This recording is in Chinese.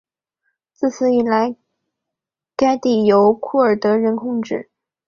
自此以来该地由库尔德人控制。